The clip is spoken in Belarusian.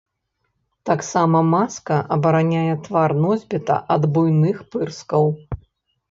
Таксама маска абараняе твар носьбіта ад буйных пырскаў.